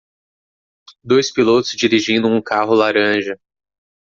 Dois pilotos dirigindo um carro laranja